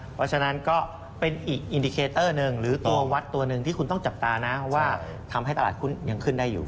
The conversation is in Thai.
เพราะฉะนั้นก็เป็นอีกอินดิเคเตอร์หนึ่งหรือตัววัดตัวหนึ่งที่คุณต้องจับตานะว่าทำให้ตลาดหุ้นยังขึ้นได้อยู่